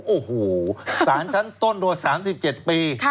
โอ้โหสารชั้นต้นโดย๓๗ปี